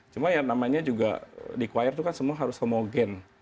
cuma yang namanya juga dechoir itu kan semua harus homogen